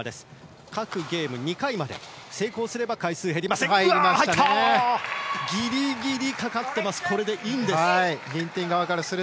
各ゲーム２回まで成功すれば回数が減りません。